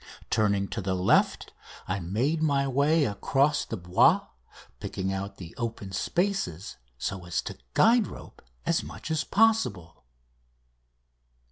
Turning to the left, I made my way across the Bois, picking out the open spaces so as to guide rope as much as possible.